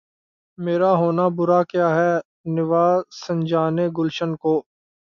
میرا ہونا برا کیا ہے‘ نوا سنجانِ گلشن کو!